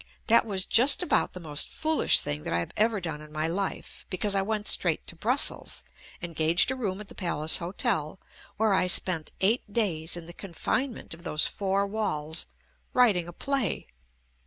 That was just about the most foolish thing that I have ever done in my life, because I went straight to Brussels, engaged a room at the Palace Hotel, where I spent eight days in the confinement of those four walls writing a play.